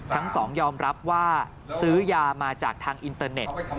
ทั้งสองยอมรับว่าซื้อยามาจากทางอินเตอร์เน็ต